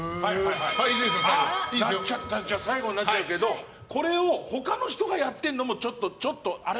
最後になっちゃうけどこれを他の人がやってるのもちょっとあれ？